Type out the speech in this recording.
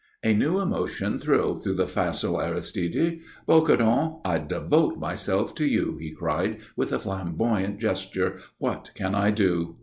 A new emotion thrilled through the facile Aristide. "Bocardon, I devote myself to you," he cried, with a flamboyant gesture. "What can I do?"